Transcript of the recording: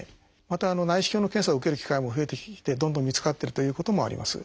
また内視鏡の検査を受ける機会も増えてきてどんどん見つかってるということもあります。